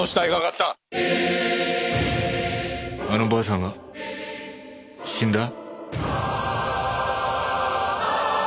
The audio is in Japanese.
あのばあさんが死んだ？